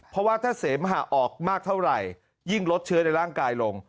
เพราะว่าถ้าเสมหะออกมากเท่าไหร่ยิ่งลดเชื้อในร่างกายลง